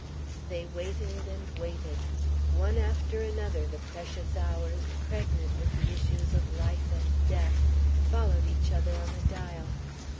They waited and waited. One after another the precious hours, pregnant with the issues of life and death, followed each other on the dial.